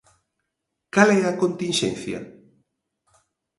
¿Cal é a continxencia?